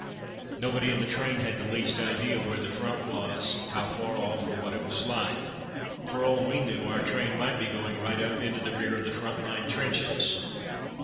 Nobody in the train had the least idea where the Front was, how far off, or what it was like. For all we knew, our train might be going right up into the rear of the front line trenches.